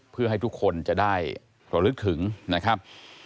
เพื่อให้ทุกคนจะได้ระลึกถึงนะครับ